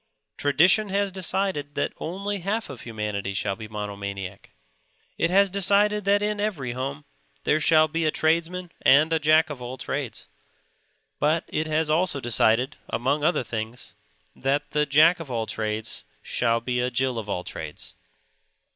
Tradition has decided that only half of humanity shall be monomaniac. It has decided that in every home there shall be a tradesman and a Jack of all trades. But it has also decided, among other things, that the Jack of all trades shall be a Jill of all trades.